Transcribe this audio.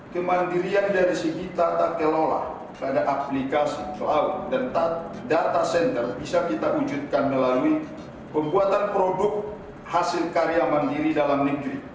kemandirian dari segi tata kelola pada aplikasi cloud dan data center bisa kita wujudkan melalui pembuatan produk hasil karya mandiri dalam negeri